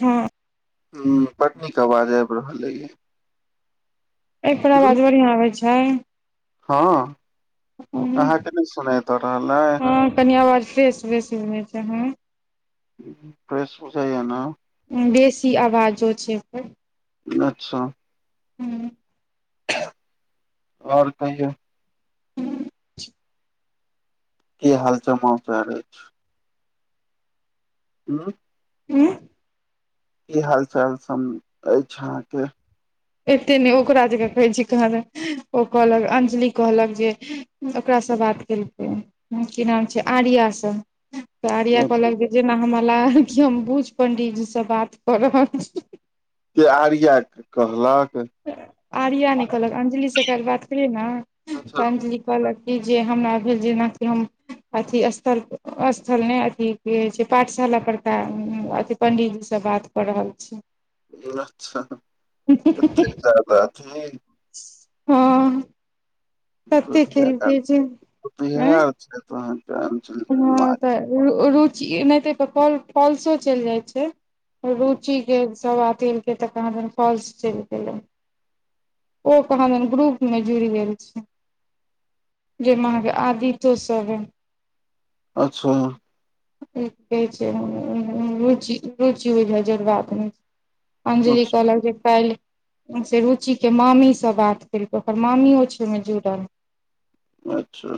हँ ह बड नीक आवाज आबि रहल अइ एहिपर ह आवाज बढ़िआँ आबै छै हँ अहाँके नहि सुनाय दऽ रहल अइ हँ कनि आबाज फ्रेस बेसी छै ह फ्रेश बुझाय ने बेसी आवाजो छै ओकर अच्छा हूँ आओर कहियौ [inaudible] की हालच मच रह अछि हूँ उँ ई हाल चाल सम अछि अहााँके एते नहि ओकरा जकाँ कहै छै कहाँदन ओ कहलक अंजलि कहलक जे ओकरासँ बात केलकै की नाम छै आर्या से तऽ आर्या अच्छा कहलक जे जेना हमरा लागल हम बुझ पंडितजी से बात कर रहल छी के आर्या कहलक आर्या नहि कहलक अं्जलि से काल्हि बात करियै ने अच्छा तऽ अं्जलि कहलक क जे हमरा भेल जेनाकि हम अथी स्थल स्थल ने अथी की होय छै पाठशाला परका अथी पंडितजी से बात कर रहल छी अच्छा एतेक जादा अथि हँ तते खेलकै जे आँय [unintelligible] हँ कुमार तऽ रुचि नहि तऽपॉ फल्सो चलि जाइत छै रुचिके सभ बातलकै तऽ कहाँदनी फॉल्स चलि गेलै ओ कहां दन ग्रुप में जुड़ि गेल छी जाहि में अहाँ के आदित्यो सब हय अच्छा कहै छैच रुचि रुचि ओय मे जोरबा देने छै अजंलि अच्छा कहल जे काल्हि से रुचिके मामीसँ बात केलकै ओकर मामियो छै ओमे जुड़ल अच्छा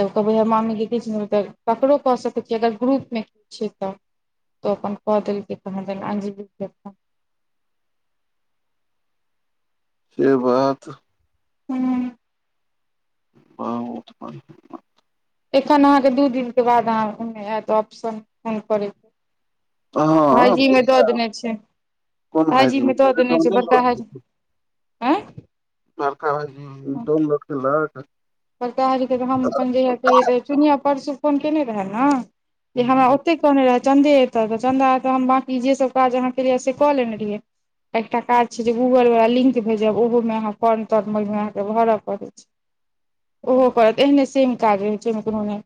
तऽ कहबै हम मामि गै छै तऽ ककरो कहि सकैत छियै अगर ग्रुपमे कछ छै तऽ तो अपन कऽ देलक कहां दन अजंली क से बात हँ ओ एखन अहाँके दू दिनके बाद अहाँ ओमे आयत ऑप्शन फोन करैके हँ भाइजीमे दऽ देने छै कोन भाइजी भाइजीमे दऽ देने छै बड़का डाउनलोड भाइजी आँ बरका भाईजी डोनलोड केलक बरका भाइ जी के हम अपन जहिय चुनिया परसू फोन केने रहे ने जे हमरा हम्म, ओतेक ने रहै चंन्दे एते तऽ चन्दा एतऽ हम बाँकी जे सब काज अहाँ केेलिै से कऽ लेने रहियै एकटा काज छै जे गूगल वाला लिंक भेजब ओहो में अहाँ फॉर्न तर्म में अहाँ के भरय पड़े छै ओहो पर एहने सेम काज रहै छै अहिमे कोनो नहि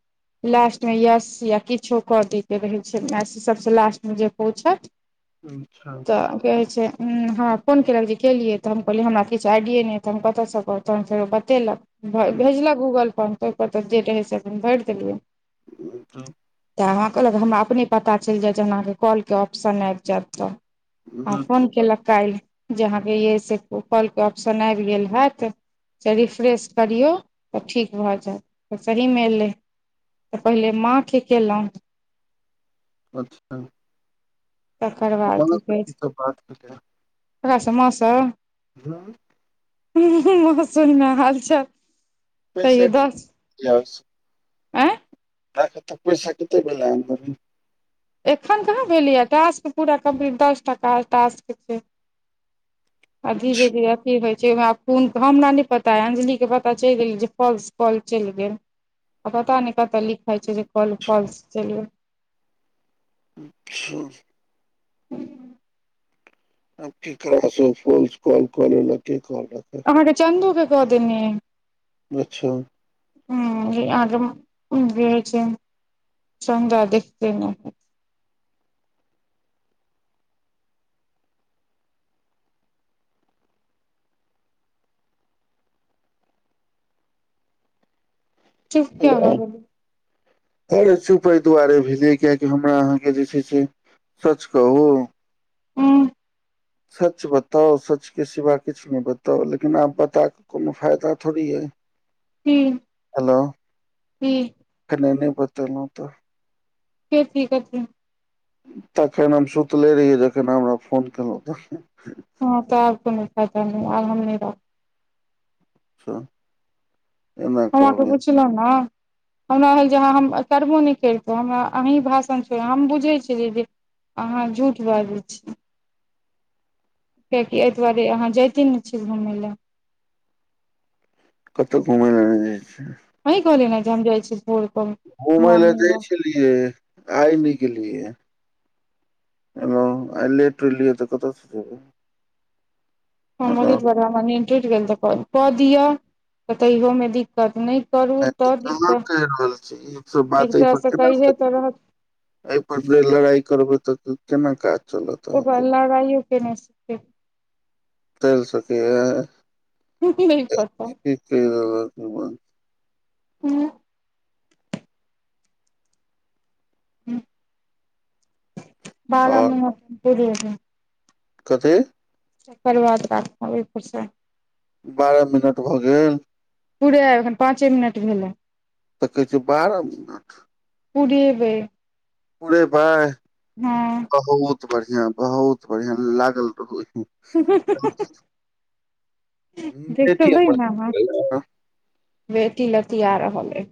लास्ट मे यस या किछो कर दे के रहे छै मैस सबस लास्ट में जे पूछत [unintelligible] अच्छा तऽ क कहै छै हमरा फोन कयेलक जे केलियै तऽ हम कहलियै हमरा किछु आइडियए नहि ह तऽ हम कतऽसँ करब तहन फेरो बतेलक भ हम्म, भेजलक गूगलपर हम त ओहिपर तऽ जे रहै से अपन भरि देलियै [unintelligible] तऽ हमरा कहलक हमरा अपने पता चलि जाय जे अहाँके कॉलके ऑप्शन आबि जायत तऽ हँ फोन केलक काल्हि जे अहाँके य अइ से कॉलके ऑप्शन आबि गेल हेत से रिफ्रेश करियौ तऽ ठीक भऽ जायत पर सही मे एलै तऽ पहिले माँके केलहुँ [unintelligible] अच्छा तकर बाद माँ की से कहै छै सब बात भेलै ओकरासँ मौसम हँ हुँ हु सूनमे हालचाल [unintelligible] आँय आ तऽ पैसा कतेक बला एै एखन कहाँ भेलियै टास्क पूरा कमप्लिट दस टा टास्क छै अभि दी अथी होय ओहिमे आब कोन हमरा नहि पता अय अजंलिके पता चलि गेल जे फल्स कौल चलि गेल आ पता नहि कत लिखाय छै जे कौव फल्स चलि [unintelligible] [unintelligible] आब की फ़ल्स फोन कॉल कल क कॉल रख अहाँके चंदू के कऽ देेनि अच्छा अहाँ कऽ बीच चन्दा देखते नहि चुप किया हेलो। भऽ गेल चुप एहि दुआरे भेलियै कियकि हमरा अहाँके जे छै से सच कहू हूँ सच बताओ सच के सिवा किछु नहि बताओ लेकिन आब बता कऽ कोनो फायदा थोड़ी ऐ की हेलो की एखने नहि बतलहु तऽ के थिक अथि तखन हम सुतले रहिय जखन हमरा फोन केलहुँ तखन हँ तऽ आ कोनो फायदा नहि आब हम नै रहब अच्छा हम अहाँकेँ पुछलौ न हमरा भेल जे हँ हम करबो नहि करतै हमरा अहीँ भाषण छो हम बुझै छियै जे जे अहाँ झूठ बाजै छी कियाकि एहि दुआरे अहाँ जाइते ने छीयै घुमय लए कतहु घुमय ल नहि जाइ छै आही कहलिये हम जाइ छी भोर क मर्निंग आय ने गेलिये य हेलो आइ लेट एलि तऽ कतै स जेबै हम ओहि दुवारे हमरा निन्द टूटि गेल तऽ कऽ दिअ त तैय में दिक्कत नहि करू तऽ कह दिक्कत कहि रहल छी ई सब एक बात एहि पर तरहसँ केना कहिये कर तऽ रहत एहि पर जे लड़ाई करबे तऽ केना काज चलत ओ अहाँके लड़ाइ हो के [unintelligible] तल सकै यै नहि पता कि कहि [unintelligible] उ ह बादमे पूरी कथि अो करवाद रखब ओइ पर से बारह मिनट भऽ गेल पूरे एखन पाँचे मिनट भेलै तऽ कहै छै बारह मिनट पुरेबै पूड़ेबै हँ बहुत बढ़िया बहुत बढ़िया लागल रहु देखबै ने अहाँ [unintelligible] बेटी लतीआ रहल है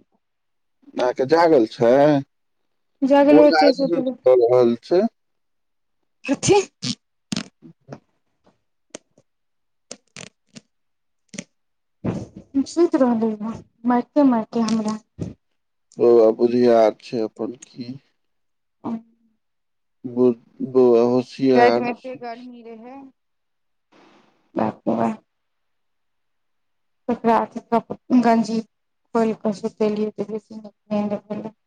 अहके जागल छै ओ जगलो छै सुतलो रहल छै कथी ह्म सुति रहले ओ मारिते मारिते हमरा बौआ बुद्धियार छै अपन की। [unintelligible] ब बौआ होसियार राति मे एते छै [unintelligible] [unintelligible] [unintelligible]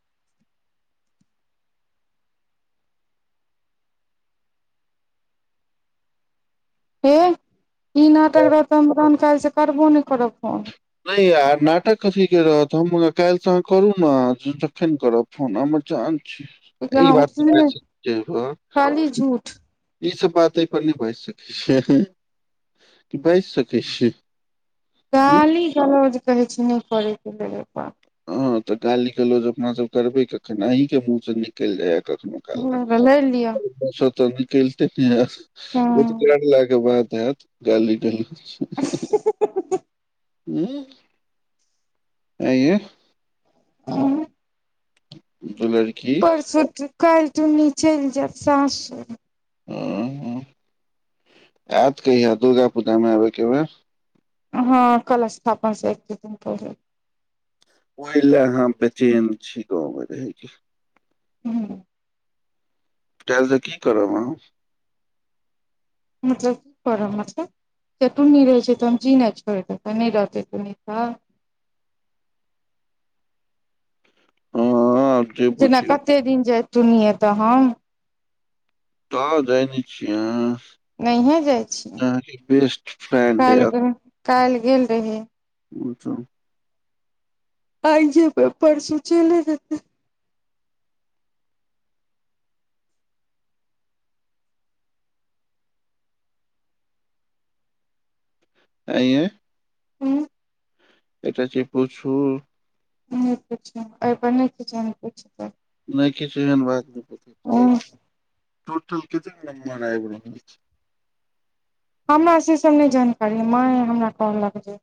हे ई नाटक रहत त काल्हि से करबो नहि करब फोन नहि यार नाटक कथीक के रहत हम काईल सँ अहाँ करू ने तखन करब फोन हमर जान कियाकि ई अहाँ उठबे बातै नहि ह खाली झूठ ई सब बात एहि परर नहि बाजि सकै छै बाजि सकै छी गाली गलौज कहै छै नहि करैके लेल ओइपर ह तऽ गाली गलौज अपना सब करबे कखन अहिं के मुंह से निकलि जाया कखनो ओकरा लड़ि लिअ हँ [unintelligible] [unintelligible] [unintelligible] आए ऐ [unintelligible] [unintelligible] परसु काल्हि चुन्नी चलि जाएत सासुर [unintelligible] यात कहि दुर्गा पूजा में आब एके बेर हू कलश स्थापन स एक दु दिन पहले [unintelligible] अहाँ बेचेन छी गाँव मे रहै केँ [unintelligible] टल कि करबाँ मतलब कि करब मतलब तटुन्नी रहै छै तऽ हम ची छोड़ नहि रहतै त आ। जेना कते दिन जायुने तऽ हम। त जने छिय अह नहि जाइ छियै फ्रेंड यै कालहि काल्हि गेल रहै। ओच त आइ जे परसू चले जेतै। आइ यै हू एटा जे पूछू। नहि एहिपर नहि। नहि किछन बात नहि पता तोटल कतना नमबर आ हमरा से सभ नहि जानकारी माँ हमरा कहलक जे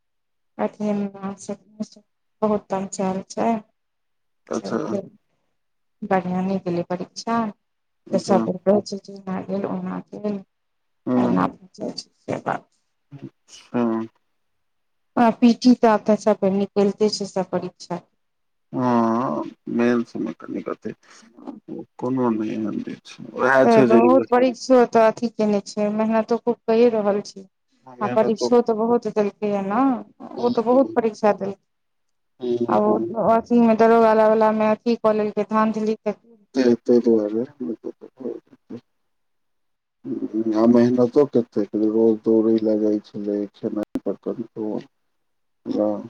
अ बहुत पहचल छै। अच्छा बढ़िया नहि दै परीक्षा त अच्छा सभ रहै छै जेना गेल ओना गेल हँ [unintelligible] हँ आ पीटी तऽऽ सब निकलिते छै सब परीक्षा हँ मेन्स निकलतै कत कोनो छै उएह तऽ छै जे बहुत बड़ीक्षो तऽ अथी केने छै मेहनतो खूब कए रहल छी ह परिक्षो तऽ बहुत देलकै ह ने ओ तऽ बहुत परीक्षा देल के आ दरोला वाला मे अथि क लेल धाधली य तऽ ता दुआरे ब [unintelligible] मेहनतो कते रोज दौड़े लगइत छलै खेनाइ पर कंट्रोल हॅं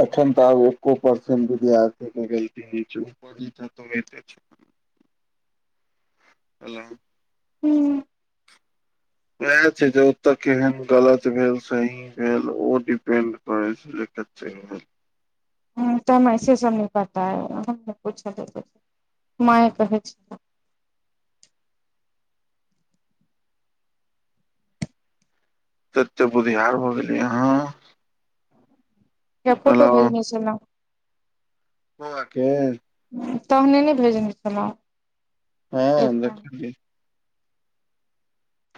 एखन तऽ आ एको परसेंट विद्यार्थि के गलती नही अछि [unintelligible] हेलो हूँ वएह छै जे ओतऽ केहन गलत भेल सही फ ओ डिपेंड करै छै जे क्वेशचन पर त हम ऐसे सब न पताय कहै छै तते बुधिहार भऽ गेलियै अहाँ या फोटो हेलो भेजने छलहुँ बौआके तहने ने भेजने छलौं हँ देखली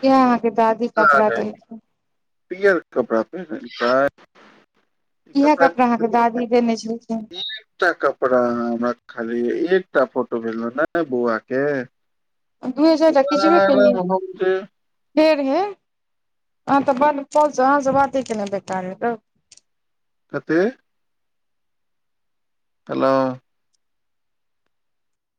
इएह अहाँके दादी कपड़ा देलखिन पियर कपड़ा पेरहलके इएहे कपड़ा अहाँके दादी देने छलखिन एकटा कपड़ा हमरा खाली एकटा फोटो भेजलौ ने बौआ के दूए चारि टा खिचबे केलियै महत फेर हे अहाँ तऽ ब पहुँचउ अहाँसँ बातेके ने बेकार हइ तब कथि हेलो